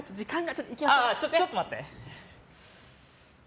あっ、ちょっと待って。